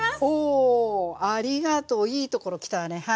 おありがとういいところ来たわね。